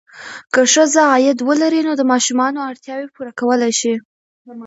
که ښځه عاید ولري، نو د ماشومانو اړتیاوې پوره کولی شي.